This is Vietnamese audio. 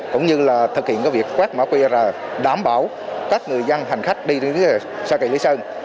cũng như là thực hiện các việc quét máu qr đảm bảo các người dân hành khách đi đến sa kỳ lý sơn